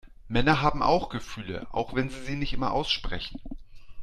Männer haben auch Gefühle, auch wenn sie sie nicht immer aussprechen.